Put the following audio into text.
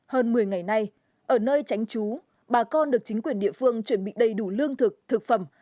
hơn một mươi ngày nay ở nơi tránh trú bà con được chính quyền địa phương chuẩn bị đầy đủ lương thực thực phẩm